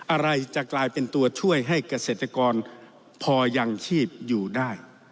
อะไรจะกลายเป็นตัวช่วยให้เกษตรกรพอยังชีพอยู่ได้